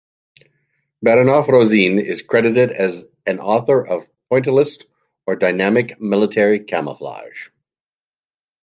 Baranov-Rossine is credited as an author of pointillist or dynamic military camouflage.